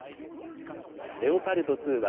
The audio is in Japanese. レオパルト２は、